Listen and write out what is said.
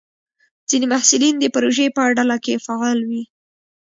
ځینې محصلین د پروژې په ډله کې فعال وي.